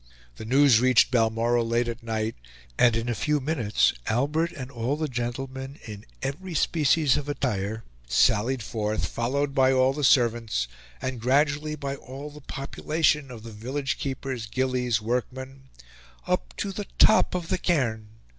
The news reached Balmoral late at night, and in a few minutes Albert and all the gentlemen in every species of attire sallied forth, followed by all the servants, and gradually by all the population of the village keepers, gillies, workmen "up to the top of the cairn."